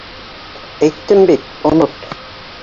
Әйттем бит, онот.